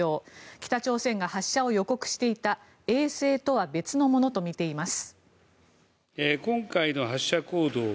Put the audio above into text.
北朝鮮が発射を予告していた衛星とは別のものとみています。